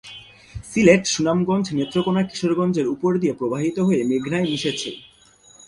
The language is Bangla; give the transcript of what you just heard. সিলেট, সুনামগঞ্জ, নেত্রকোণা, কিশোরগঞ্জ এর উপর দিয়ে প্রবাহিত হয়ে মেঘনায় মিশেছে।